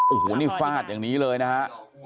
โอ้โหนี่ฟาดอย่างนี้เลยนะฮะ